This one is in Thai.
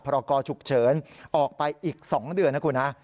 รกรฉุกเฉินออกไปอีก๒เดือนนะคุณฮะ